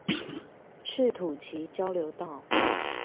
赤土崎交流道